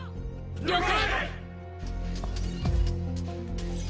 了解！！